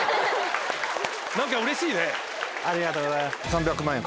ありがとうございます。